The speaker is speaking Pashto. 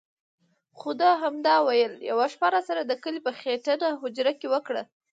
خو ده همدا ویل: یوه شپه راسره د کلي په خټینه هوجره کې وکړئ.